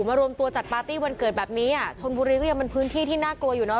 รวมตัวจัดปาร์ตี้วันเกิดแบบนี้อ่ะชนบุรีก็ยังเป็นพื้นที่ที่น่ากลัวอยู่เนอ